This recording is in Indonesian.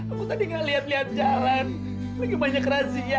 aku tadi ngelihat lihat jalan lagi banyak razia